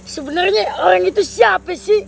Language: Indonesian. sebenarnya orang itu siapa sih